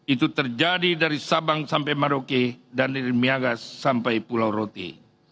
itu terjadi dari sabang sampai maroke dan dari miaga sampai pulau roti